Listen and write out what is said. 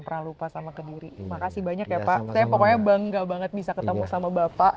pernah lupa sama kediri makasih banyak ya pak saya pokoknya bangga banget bisa ketemu sama bapak